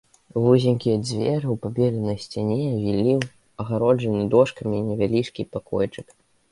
Вузенькія дзверы ў пабеленай сцяне вялі ў адгароджаны дошкамі невялічкі пакойчык.